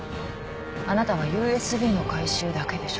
あなたはＵＳＢの回収だけでしょ。